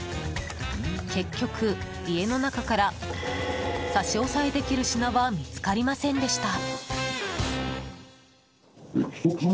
結局、家の中から差し押さえできる品は見つかりませんでした。